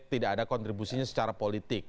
tidak ada kontribusinya secara politik